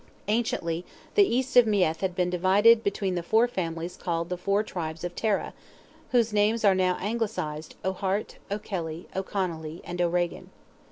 Anciently the east of Meath had been divided between the four families called "the four tribes of Tara," whose names are now anglicized O'Hart, O'Kelly, O'Connelly, and O'Regan.